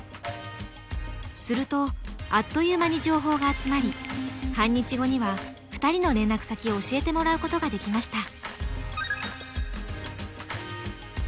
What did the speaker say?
するとあっという間に情報が集まり半日後には２人の連絡先を教えてもらうことができました。